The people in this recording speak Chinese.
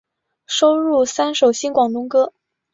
收录三首新广东歌。